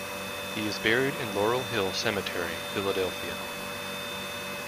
He is buried in Laurel Hill Cemetery, Philadelphia.